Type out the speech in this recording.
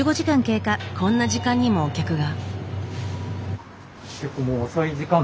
こんな時間にもお客が。